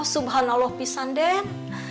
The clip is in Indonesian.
subhanallah pisan den